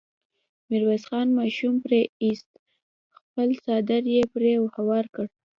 ميرويس خان ماشوم پرې ايست، خپل څادر يې پرې هوار کړ.